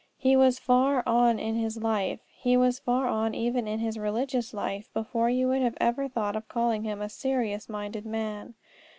He was far on in his life, he was far on even in his religious life, before you would have ever thought of calling him a serious minded man.